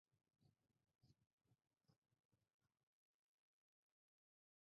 The tallow operation was not successful and the Waterloo factory was auctioned off.